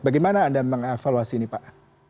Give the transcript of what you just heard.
bagaimana anda mengevaluasi ini pak